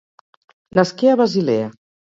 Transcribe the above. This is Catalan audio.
Nasqué a Basilea.